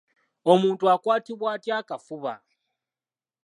Omuntu akwatibwa atya akafuba?